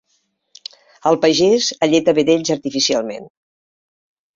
El pagès alleta vedells artificialment.